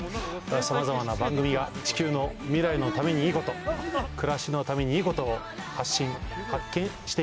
さまざまな番組が地球の未来のためにいいこと暮らしのためにいいことを発信発見して行きます。